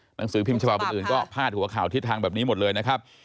หนังสือพิมพ์ฉบับอื่นก็พาดหัวข่าวทิศทางแบบนี้หมดเลยนะครับ